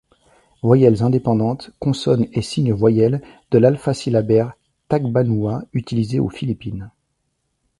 Voyelles indépendantes, consonnes et signes voyelles de l’alphasyllabaire tagbanoua utilisée aux Philippines.